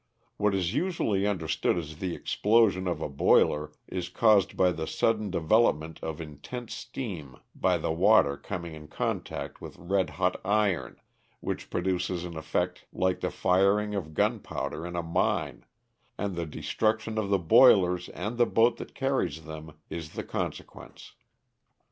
'* What is usually understood as the explosion of a boiler is caused by the sudden development of intense steam by the water coming in contact with red hot iron, which produces an effect like the firing of gunpowder in a mine, and the destruc tion of the boilers and the boat that carries them is the conse quence.